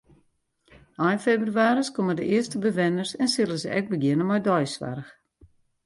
Ein febrewaris komme de earste bewenners en sille se ek begjinne mei deisoarch.